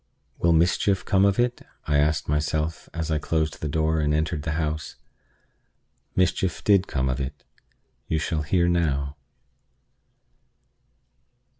"Will mischief come of it?" I asked myself as I closed the door and entered the house. Mischief did come of it. You shall hear how.